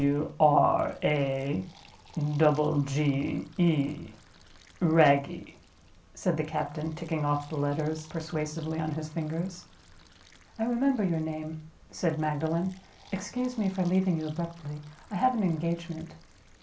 "W, R, A, double G, E—Wragge," said the captain, ticking off the letters persuasively on his fingers. "I remember your name," said Magdalen. "Excuse me for leaving you abruptly. I have an engagement."